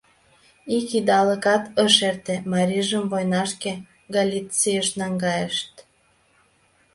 Ик идалыкат ыш эрте, марийжым войнашке Галицийыш наҥгайышт.